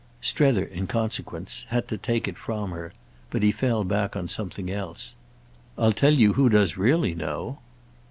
Strether, in consequence, had to take it from her, but he fell back on something else. "I'll tell you who does really know."